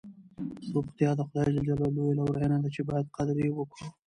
روغتیا د خدای ج لویه لورینه ده چې باید قدر یې وکړو.